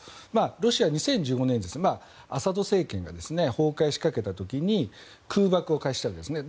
ロシア、２０１５年にアサド政権が崩壊しかけた時に空爆を開始したんですね。